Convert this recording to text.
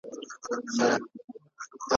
حکومتونه کله په ټاکنو کي ګډون کوي؟